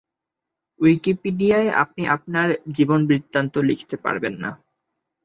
উইকিপিডিয়ায় আপনি আপনার জীবনবৃত্তান্ত লিখতে পারবেন না।